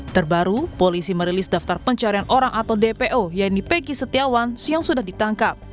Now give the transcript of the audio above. terbaru polisi merilis daftar pencarian orang atau dpo yaitu peki setiawan yang sudah ditangkap